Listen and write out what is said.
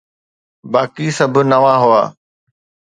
باقي سڀ نوان هئا.